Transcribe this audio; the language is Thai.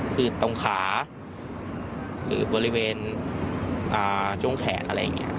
คือตรงขาหรือบริเวณช่วงแขนอะไรอย่างนี้